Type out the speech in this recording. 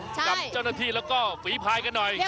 กับเจ้าหน้าที่แล้วก็ฝีพายกันหน่อย